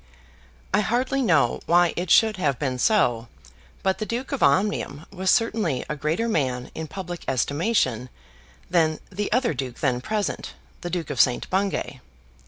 I hardly know why it should have been so, but the Duke of Omnium was certainly a greater man in public estimation than the other duke then present, the Duke of St. Bungay.